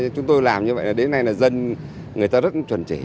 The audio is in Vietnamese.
chúng tôi làm như vậy đến nay là dân người ta rất chuẩn trị